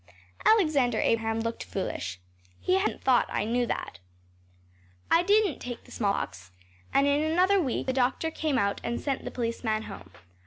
‚ÄĚ Alexander Abraham looked foolish. He hadn’t thought I knew that. I didn’t take the smallpox and in another week the doctor came out and sent the policeman home.